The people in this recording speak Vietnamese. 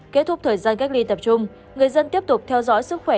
kết thúc thời gian cách ly tập trung người dân tiếp tục theo dõi sức khỏe